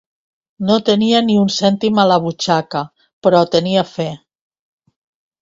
No tenia ni un cèntim a la butxaca, però tenia fe.